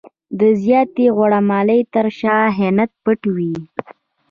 د زیاتې غوړه مالۍ تر شا خیانت پټ وي.